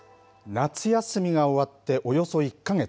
夏休みが終わっておよそ１か月。